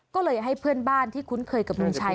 ก็เลยให้เพื่อนบ้านที่คุ้นเคยกับลุงชัย